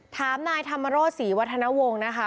ถามนายธรรมโรธศรีวัฒนวงศ์นะคะ